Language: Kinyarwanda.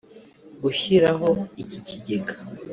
Gushyiraho iki kigega